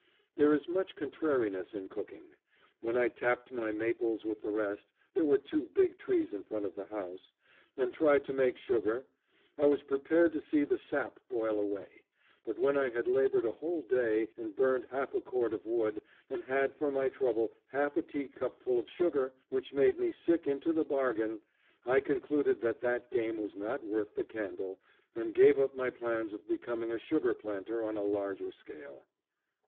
There is much contrariness in cooking. When I tapped my maples with the rest there were two big trees in front of the house and tried to make sugar, I was prepared to see the sap boil away; but when I had labored a whole day and burned half a cord of wood, and had for my trouble half a tea cupful of sugar, which made me sick into the bargain, I concluded that that game was not worth the candle, and gave up my plans of becoming a sugar planter on a larger scale.